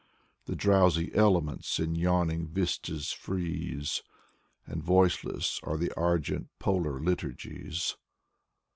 The drowsy elements in yawning vistas freeze, And voiceless are the argent Polar liturgies.